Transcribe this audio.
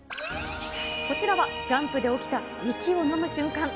こちらは、ジャンプで起きた息をのむ瞬間。